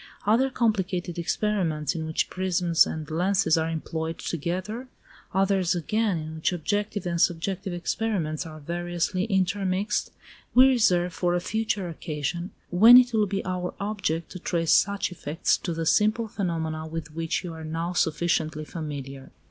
Other complicated experiments in which prisms and lenses are employed together, others again, in which objective and subjective experiments are variously intermixed, we reserve for a future occasion, when it will be our object to trace such effects to the simple phenomena with which we are now sufficiently familiar.